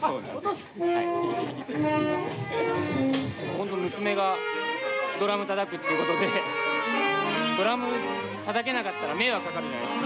今度娘がドラムたたくっていうことでドラムたたけなかったら迷惑かかるじゃないですか。